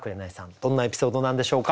どんなエピソードなんでしょうか？